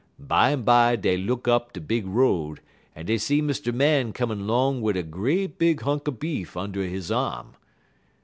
Bimeby dey look up de big road, en dey see Mr. Man comin' 'long wid a great big hunk er beef und' he arm.